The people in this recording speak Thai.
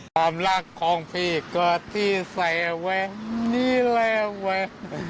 ความรักของพี่ก็ที่เสียไว้นี่แรงไว้